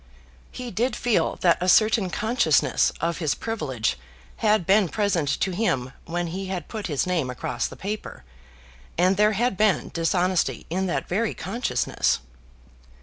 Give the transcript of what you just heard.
He did feel that a certain consciousness of his privilege had been present to him when he had put his name across the paper, and there had been dishonesty in that very consciousness.